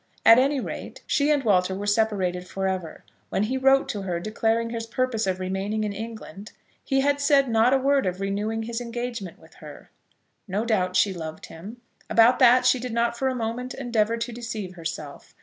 At any rate, she and Walter were separated for ever. When he wrote to her, declaring his purpose of remaining in England, he had said not a word of renewing his engagement with her. No doubt she loved him. About that she did not for a moment endeavour to deceive herself.